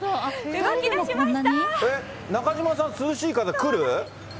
中島さん、涼しい風、来る？